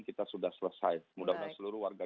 kita sudah selesai mudah mudahan seluruh warga